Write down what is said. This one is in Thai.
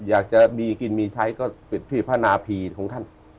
อยากจะมีกินมีใช้ก็ปิดที่พนาผีของท่าน